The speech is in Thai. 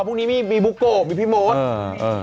พรุ่งนี้มีบุโกะมีพี่มด